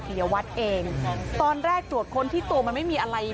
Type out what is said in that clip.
ปิยวัตรเองตอนแรกดวชคนที่ตัวมันไม่มีอะไร